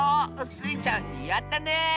スイちゃんやったね！